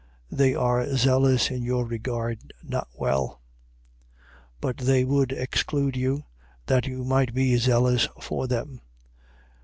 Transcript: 4:17. They are zealous in your regard not well: but they would exclude you, that you might be zealous for them.